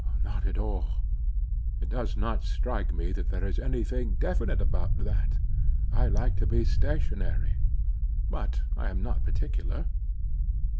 "Not at all. It does not strike me that there is any thing definite about that. I like to be stationary. But I am not particular."